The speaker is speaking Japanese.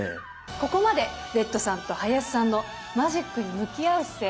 ここまでレッドさんと林さんのマジックに向き合う姿勢